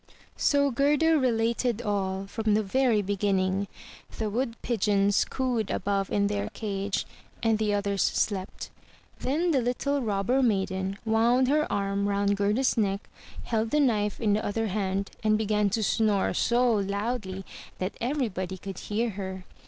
So Gerda related all, from the very beginning; the Wood pigeons cooed above in their cage, 316 THROUGH FAIRY HALLS and the others slept. Then the little Robber maiden wound her arm round Gerda's neck, held the knife in the other hand, and began to snore so loudly that everybody could hear her.